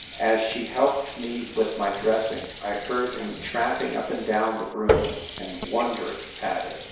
As she helped me with my dressing I heard him tramping up and down the room, and wondered at it.